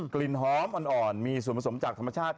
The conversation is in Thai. กลิ่นหอมอ่อนมีส่วนผสมจากธรรมชาติ